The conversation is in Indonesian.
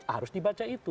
harus dibaca itu